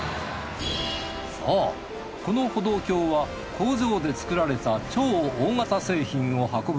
そうこの歩道橋は工場で作られた超大型製品を運ぶ